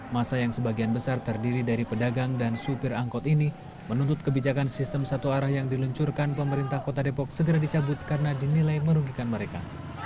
masa yang sebagian besar terdiri dari pedagang dan supir angkot ini menuntut kebijakan sistem satu arah yang diluncurkan pemerintah kota depok segera dicabut karena dinilai merugikan mereka